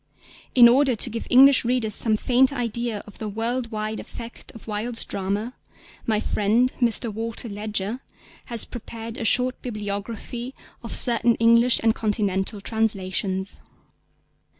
In order to give English readers some faint idea of the world wide effect of Wilde's drama, my friend Mr. Walter Ledger has prepared a short bibliography of certain English and Continental translations.